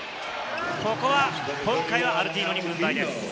ここは今回はアルティーノに軍配です。